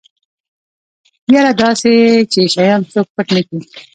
يره دا اسې چې شيان څوک پټ نکي.